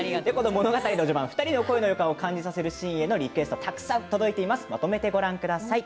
物語の序盤２人の恋の予感を感じさせるシーンへのリクエストたくさん届きました。